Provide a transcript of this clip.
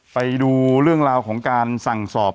ไปดูเรื่องราวของการสั่งสอบ